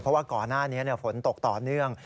เพราะว่าก่อนหน้านี้ฝนตกต่อเนื่อง